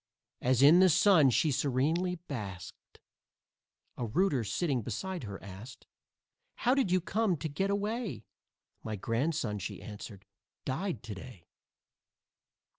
As in the sun she serenely basked A rooter sitting beside her asked: "How did you come to get away?" "My grandson," she answered, "died to day!"